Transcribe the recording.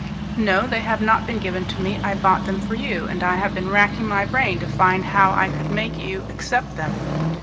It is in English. "No, they have not been given to me. I bought them for you, and I have been racking my brain to find how I could make you accept them.